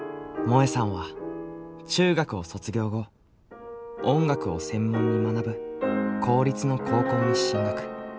もえさんは中学を卒業後音楽を専門に学ぶ公立の高校に進学。